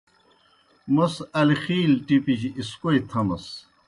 موْس الخِیلیْ ٹِپِجیْ اِسکوئی تھمَس۔